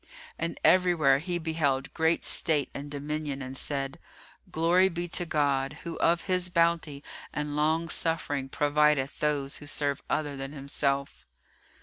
And everywhere he beheld great state and dominion and said, "Glory be to God, who of His bounty and long suffering provideth those who serve other than Himself!"